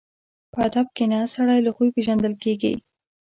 په ادب کښېنه، سړی له خوی پېژندل کېږي.